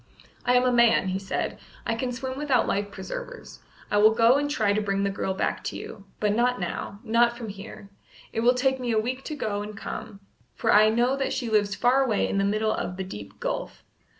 "I am a man," he said. "I can swim without life preservers. I will go and try to bring the girl back to you. But not now, not from here; it will take me a week to go and come, for I know that she lives far away in the middle of the deep gulf.